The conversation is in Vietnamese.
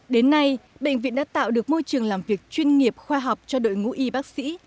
đến nay bệnh viện đã tạo được môi trường làm việc chuyên nghiệp khoa học cho đội ngũ y bác sĩ